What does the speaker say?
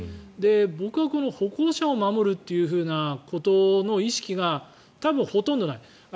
僕はこの歩行者を守るということの意識が多分ほとんどない。